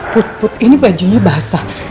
put put ini bajunya bahasa